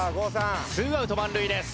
ツーアウト満塁です。